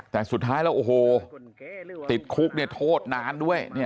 แต่สุดท้ายแล้วโอ้โหติดคุกเนี่ยโทษนานด้วย